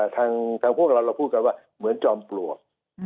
ทางพวกเราเราพูดกันว่าเหมือนจอมปลวก